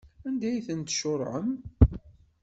Anda ay ten-tcuṛɛem?